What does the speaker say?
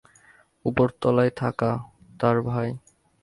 উপরতলায় থাকা তার ভাই।